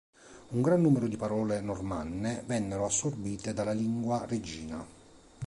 Un gran numero di parole normanne vennero assorbite dalla lingua reggina.